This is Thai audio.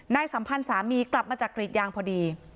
สัมพันธ์สามีกลับมาจากกรีดยางพอดี